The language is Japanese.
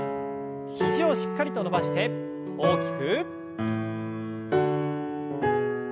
肘をしっかりと伸ばして大きく。